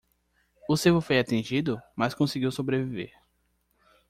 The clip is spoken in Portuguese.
O cervo foi atingido? mas conseguiu sobreviver.